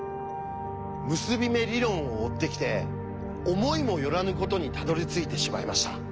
結び目理論を追ってきて思いも寄らぬことにたどりついてしまいました。